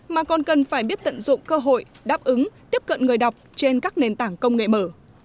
mà còn cần phải biết tận dụng cơ hội đáp ứng tiếp cận người đọc trên các nền tảng công nghệ mở